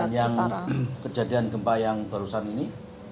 yang kejadian gempa yang barusan ini